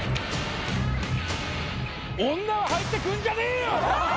女は入ってくんじゃねえよ！